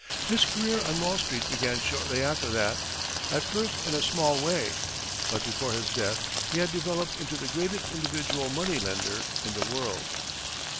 His career on Wall street began shortly after that, at first in a small way; but before his death, he had developed into the greatest individual money lender in the world.